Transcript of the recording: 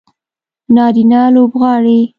نارینه لوبغاړي